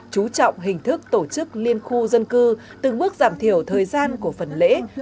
chú trọng hình thức tổ chức liên khu dân cư từng bước giảm thiểu thời gian của phần lễ